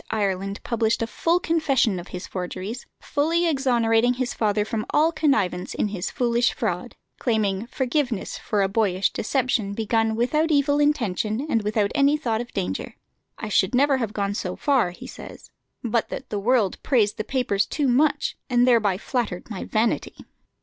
Ireland published a full confession of his forgeries, fully exonerating his father from all connivance in his foolish fraud, claiming forgiveness for a boyish deception begun without evil intention and without any thought of danger. "I should never have gone so far," he says, "but that the world praised the papers too much, and thereby flattered my vanity."